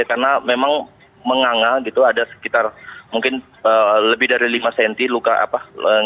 karena memang menganga gitu ada sekitar mungkin lebih dari lima cm luka apa